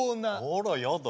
あらやだ